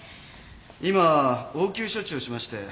今応急処置をしまして。